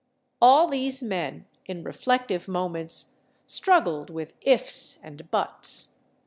All these men, in reflective moments, struggled with ifs and buts.